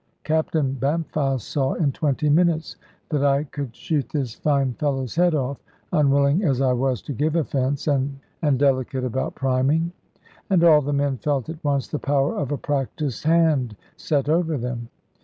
Captain Bampfylde saw, in twenty minutes, that I could shoot this fine fellow's head off, unwilling as I was to give offence, and delicate about priming. And all the men felt at once the power of a practised hand set over them.